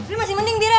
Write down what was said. tapi masih penting biira